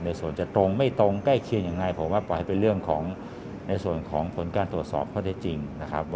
ส่วนจะตรงไม่ตรงใกล้เคียงยังไงผมว่าปล่อยให้เป็นเรื่องของในส่วนของผลการตรวจสอบข้อได้จริงนะครับ